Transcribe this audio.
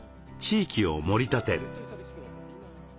地域をもり立てる。